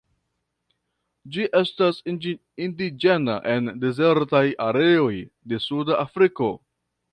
Ĝi estas indiĝena en dezertaj areoj de suda Afriko.